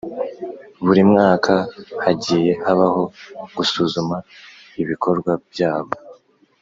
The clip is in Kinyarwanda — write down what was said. Buri mwaka hagiye habaho gusuzuma ibikorwa byabo